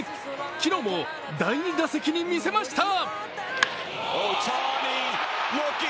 昨日も第２打席に見せました。